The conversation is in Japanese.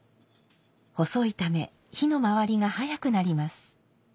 細いため火の回りが速くなります。